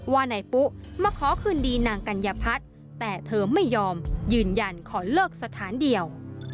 ว่านายปุ๊มาขอคืนดีนางกัญญพัฒน์แต่เธอไม่ยอมยืนยันขอเลิกสถานเดียว